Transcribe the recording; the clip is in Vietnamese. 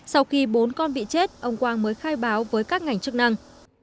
sau khi bốn con bị chết ông quang mới khai báo với các ngành chức năng